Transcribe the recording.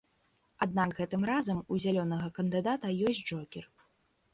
Аднак гэтым разам у зялёнага кандыдата ёсць джокер.